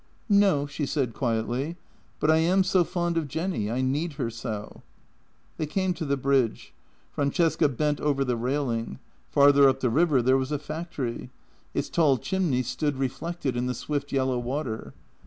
" No," she said quietly. " But I am so fond of Jenny. I need her so." They came to the bridge. Francesca bent over the railing. Farther up the river there was a factory; its tall chimney stood JENNY 63 reflected in the swift yellow water.